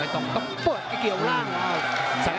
ต้องเปิดเกี่ยวล่าง